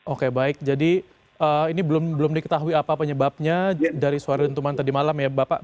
oke baik jadi ini belum diketahui apa penyebabnya dari suara dentuman tadi malam ya bapak